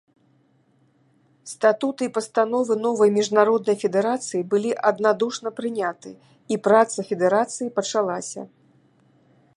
Статуты і пастановы новай міжнароднай федэрацыі былі аднадушна прыняты, і праца федэрацыі пачалася.